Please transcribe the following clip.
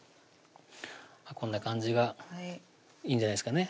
こんな感じがいいんじゃないですかね